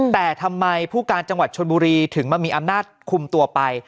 แต่ทำไมผู้การจังหวัดชนบุรีถึงมามีอำนาจคุมตัวไป